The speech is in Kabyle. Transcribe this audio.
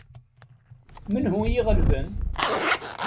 Menhu i iɣelben?